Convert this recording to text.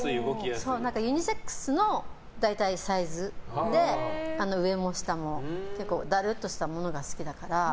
ユニセックスの大体サイズで上も下もダルッとしたものが好きだから。